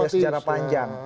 punya sejarah panjang